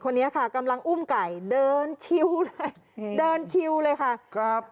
คนนี้ค่ะกำลังอุ้มไก่เดินชิวเลยค่ะ